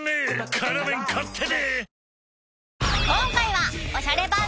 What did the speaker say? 「辛麺」買ってね！